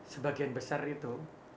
sebagian besar itu